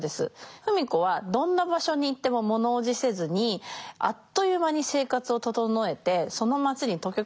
芙美子はどんな場所に行っても物おじせずにあっという間に生活を整えてその街に溶け込んでしまうという特技があります。